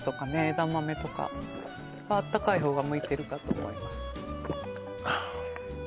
枝豆とかはあったかい方が向いてるかと思います